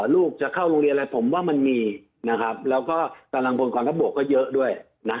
ลูกจะเข้าโรงเรียนอะไรผมว่ามันมีแล้วก็ตารางคนกองทรัพย์บกก็เยอะด้วย